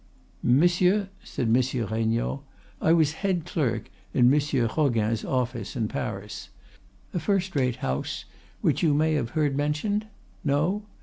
"'Monsieur,' said Monsieur Regnault, 'I was head clerk in Monsieur Roguin's office, in Paris. A first rate house, which you may have heard mentioned? No!